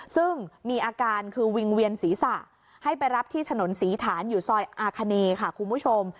ซึ่งมีอาการคือวิงเวียนศีรษะให้ไปรับที่ถนนศรีฐานอยู่ซอยอาคเนค่ะคุณผู้ชม